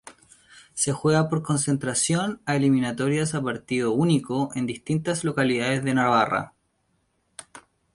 Se juega por concentración a eliminatorias a partido único en distintas localidades de Navarra.